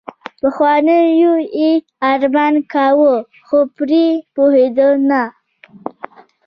پخوانیو يې ارمان کاوه خو پرې پوهېدل نه.